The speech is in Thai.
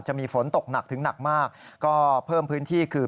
จะมีฝนตกหนักถึงหนักมากก็เพิ่มพื้นที่คือ